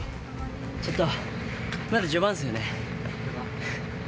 ちょっとまだ序盤ですよね。